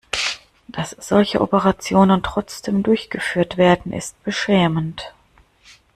Dass solche Operationen trotzdem durchgeführt werden, ist beschämend.